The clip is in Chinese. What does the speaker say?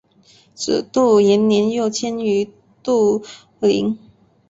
子杜延年又迁于杜陵。